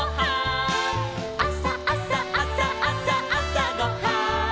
「あさあさあさあさあさごはん」